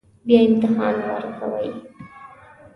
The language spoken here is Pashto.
بیا امتحان ورکوئ